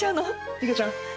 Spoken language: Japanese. いげちゃん！